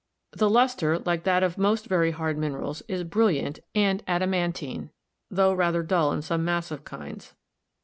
The luster, like that of most very hard minerals, is brilliant and adamantine, tho rather dull in some massive kinds.